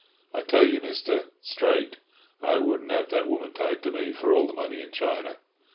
I tell you, Mister, straight, I wouldn't have that woman tied to me for all the money in China.